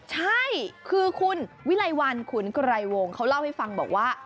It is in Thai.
ใช่คือคุณวิลัยวัลคุณกรายวงเขาเล่าให้ฟังว่า